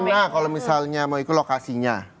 di mana kalau misalnya mau ikut lokasinya